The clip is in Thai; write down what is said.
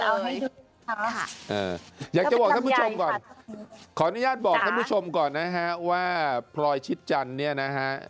ได้เลยอยากจะบอกท่านผู้ชมก่อนขออนุญาตบอกท่านผู้ชมก่อนนะฮะว่าพลอยชิดจันเนี่ยนะฮะ